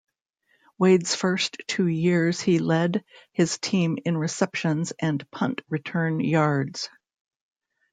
Wades first two years he led his team in receptions and punt return yards.